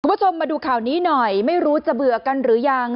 คุณผู้ชมมาดูข่าวนี้หน่อยไม่รู้จะเบื่อกันหรือยัง